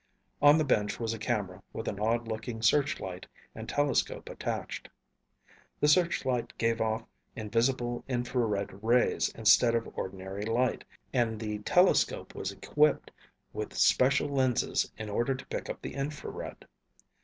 On the bench was a camera with an odd looking searchlight and telescope attached. The searchlight gave off invisible infrared rays instead of ordinary light, and the telescope was equipped with special lenses in order to pick up the infrared.